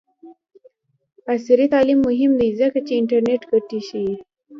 عصري تعلیم مهم دی ځکه چې د انټرنټ ګټې ښيي.